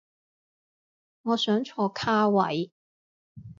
我想坐卡位